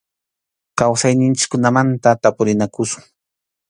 Kawsayninchikkunamanta tapurinakusun.